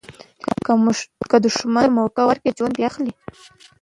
که دوښمن ته موکه ورکړي، ژوند دي اخلي.